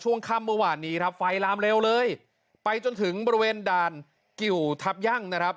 ช่วงค่ำเมื่อวานนี้ครับไฟลามเร็วเลยไปจนถึงบริเวณด่านกิวทัพยั่งนะครับ